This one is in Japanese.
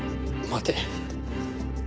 待て。